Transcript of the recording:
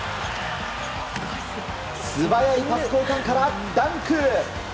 素早いパス交換からダンク！